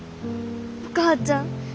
お母ちゃん。